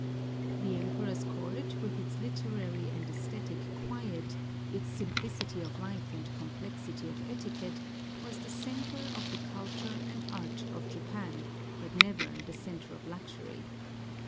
The Emperor's court, with its literary and æsthetic quiet, its simplicity of life and complexity of etiquette, was the centre of the culture and art of Japan, but never the centre of luxury.